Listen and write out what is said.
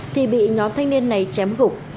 thì bị nhóm thanh niên này chém gục